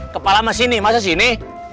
kepala masa sini masa sini